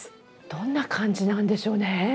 どんな感じなんでしょうね？